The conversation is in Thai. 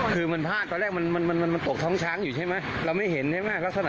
คือมันพลาดตอนแรกมันมันตกท้องช้างอยู่ใช่ไหมเราไม่เห็นใช่ไหมลักษณะ